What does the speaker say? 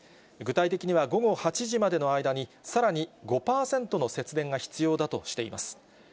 具体的には午後８時までの間に、さらに５％の節電が必要だとしています。